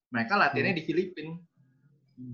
mereka latihannya di filipina